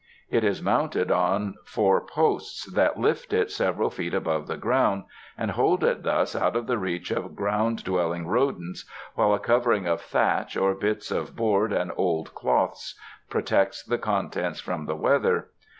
It is mounted on four posts that lift it several feet above the ground, and hold it thus out of the reach of ground dwelling rodents, while a covering of thatch or bits of board and old cloths protects the contents from the weather.